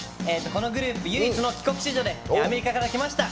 このグループ唯一の帰国子女でアメリカから来ました。